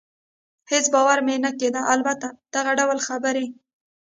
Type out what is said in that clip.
هېڅ باور مې نه کېده، البته دغه ډول خبرې.